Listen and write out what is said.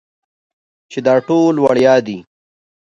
چې دا ټول وړيا دي.